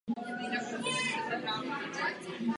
Mimo jiné řeší skandály těch nejmocnějších.